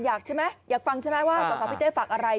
ใช่ไหมอยากฟังใช่ไหมว่าสาวพี่เต้ฝากอะไร